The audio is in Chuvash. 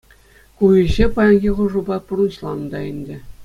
Ку ӗҫе паянхи хушупа пурнӑҫланӑ та ӗнтӗ.